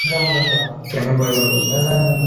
কেন ভয় পাবো?